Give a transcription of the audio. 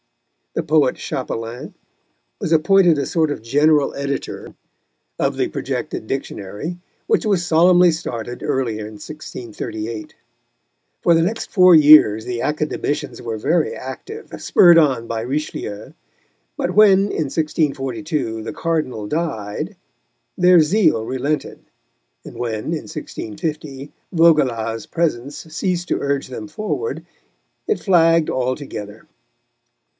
The poet Chapelain was appointed a sort of general editor of the projected Dictionary, which was solemnly started early in 1638. For the next four years the Academicians were very active, spurred on by Richelieu, but when, in 1642, the Cardinal died, their zeal relented, and when, in 1650, Vaugelas's presence ceased to urge them forward, it flagged altogether.